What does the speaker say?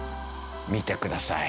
見てください。